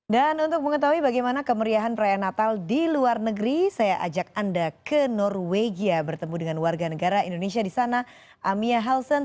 dan untuk mengetahui bagaimana kemeriahan perayaan natal di luar negeri saya ajak anda ke norwegia bertemu dengan warga negara indonesia di sana amia halsen